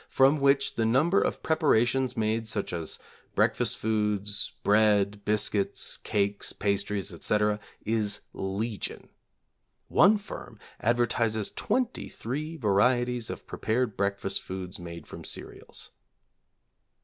from which the number of preparations made such as breakfast foods, bread, biscuits, cakes, pastries, etc., is legion. (One firm advertises twenty three varieties of prepared breakfast foods made from cereals.)